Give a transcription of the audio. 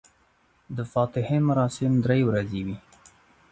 د فاتحې مراسم درې ورځې وي.